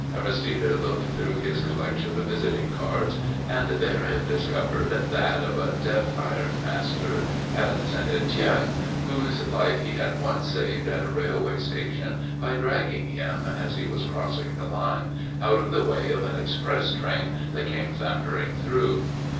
Aristide looked through his collection of visiting cards, and therein discovered that of a deaf ironmaster at St. Étienne whose life he had once saved at a railway station by dragging him, as he was crossing the line, out of the way of an express train that came thundering through.